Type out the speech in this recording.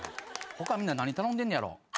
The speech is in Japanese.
他みんな何頼んでんねやろう。